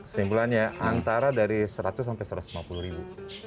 seimpulannya antara dari seratus satu ratus lima puluh ribu